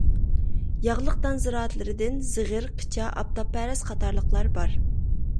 ياغلىق دان زىرائەتلىرىدىن زىغىر، قىچا، ئاپتاپپەرەس قاتارلىقلار بار.